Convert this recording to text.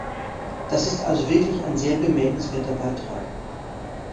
Das ist also wirklich ein sehr bemerkenswerter Beitrag.